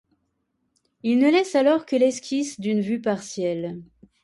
Il ne laisse alors que l’esquisse d’une vue partielle.